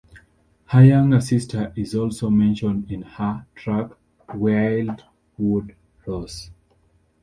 Her younger sister is also mentioned in her track Wildwood Rose.